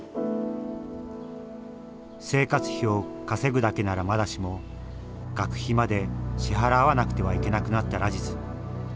生活費を稼ぐだけならまだしも学費まで支払わなくてはいけなくなったラジズ。